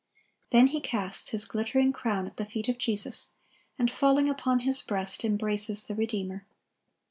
Then he casts his glittering crown at the feet of Jesus, and falling upon His breast, embraces the Redeemer.